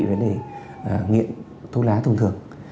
với nguyện thuốc lá thông thường